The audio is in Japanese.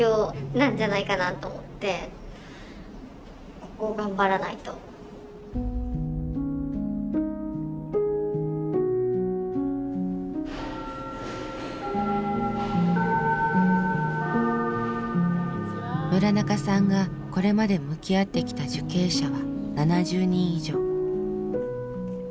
それやっていくと村中さんがこれまで向き合ってきた受刑者は７０人以上。